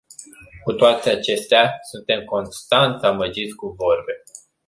Cu toate acestea, suntem constant amăgiți cu vorbe.